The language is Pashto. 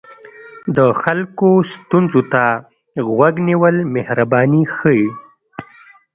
د خلکو ستونزو ته غوږ نیول مهرباني ښيي.